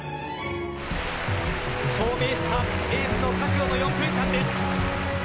証明した、エースの覚悟の４分間です。